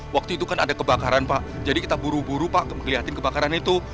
waktu itu kan ada kebakaran pak jadi kita buru buru pak ngeliatin kebakaran itu